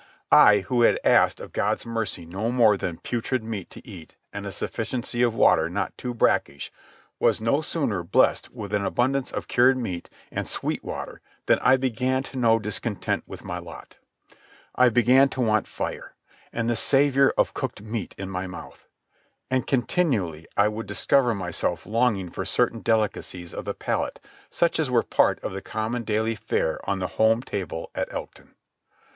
I, who had asked of God's mercy no more than putrid meat to eat and a sufficiency of water not too brackish, was no sooner blessed with an abundance of cured meat and sweet water than I began to know discontent with my lot. I began to want fire, and the savour of cooked meat in my mouth. And continually I would discover myself longing for certain delicacies of the palate such as were part of the common daily fare on the home table at Elkton.